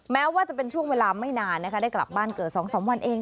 แม้ว่าจะเป็นช่วงเวลาไม่นานนะคะได้กลับบ้านเกิด๒๓วันเอง